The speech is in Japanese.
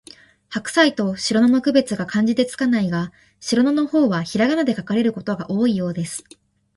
ハクサイとシロナの区別が漢字で付かないが、シロナの方はひらがなで書かれることが多いようです